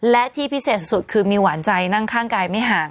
และที่พิเศษสุดคือมีหวานใจนั่งข้างกายไม่ห่าง